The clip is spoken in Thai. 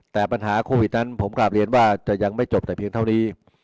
แต่ปัญหาโควิดนั้นผมกลับเรียนว่าจะยังไม่จบแต่เพียงเท่านี้